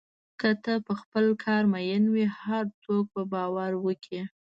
که ته په خپل کار مین وې، هر څوک به باور وکړي.